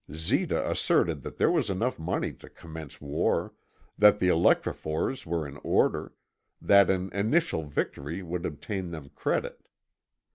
Zita asserted that there was enough money to commence war, that the electrophores were in order, that an initial victory would obtain them credit.